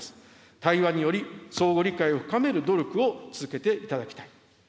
対話により相互理解を深める努力を続けていただきたい。